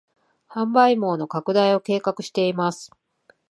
販売網の拡大を計画しています